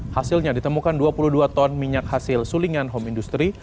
hasilnya ditemukan dua puluh dua ton minyak hasil sulingan home industry